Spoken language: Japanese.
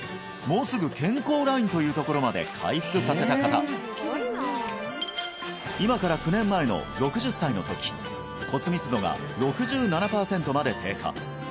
もうすぐ健康ラインというところまで回復させた方今から９年前の６０歳の時骨密度が６７パーセントまで低下